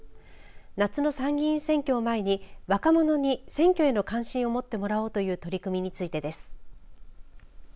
夏の参議院選挙を前に若者に選挙への関心を持ってもらおうという取り組みについてです。